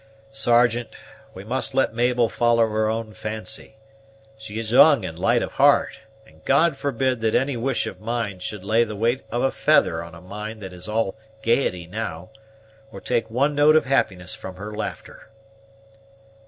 "Sergeant, we must let Mabel follow her own fancy; she is young and light of heart, and God forbid that any wish of mine should lay the weight of a feather on a mind that is all gaiety now, or take one note of happiness from her laughter!"